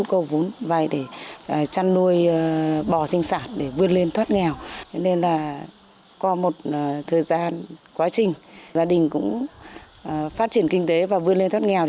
có một thời gian quá trình gia đình cũng phát triển kinh tế và vươn lên thoát nghèo